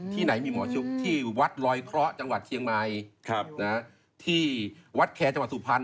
ที่ไหนมีหมอชุกที่วัดลอยเคราะห์จังหวัดเชียงใหม่ที่วัดแคร์จังหวัดสุพรรณ